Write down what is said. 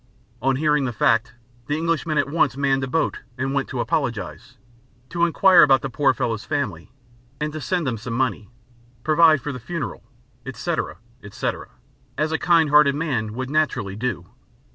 On hearing the fact the Englishman at once manned a boat and went to apologize, to inquire about the poor fellow's family and to send them some money, provide for the funeral, etc., etc., as a kind hearted man would naturally do.